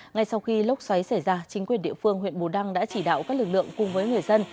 ngay sau khi lốc xoáy xảy ra chính quyền địa phương huyện bù đăng đã chỉ đạo các lực lượng cùng với người dân